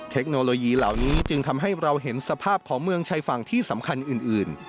เทคโนโลยีเหล่านี้จึงทำให้เราเห็นสภาพของเมืองชายฝั่งที่สำคัญอื่น